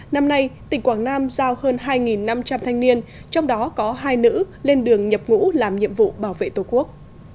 năm nay tỉnh quảng nam giao hơn hai năm trăm linh thanh niên trong đó có hai nữ lên đường nhập ngũ làm nhiệm vụ bảo vệ tổ quốc